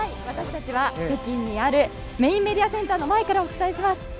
私たちは北京にあるメインメディアセンターの前からお伝えします。